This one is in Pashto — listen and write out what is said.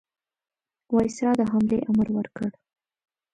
وایسرا د حملې امر ورکړ.